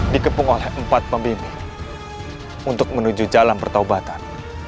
dikepung oleh empat pembimbing untuk menuju jalan pertaubatan